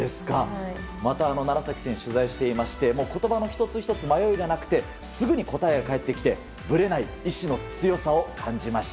楢崎選手を取材していまして言葉の１つ１つに迷いがなくてすぐに答えが返ってきてぶれない意志の強さを感じました。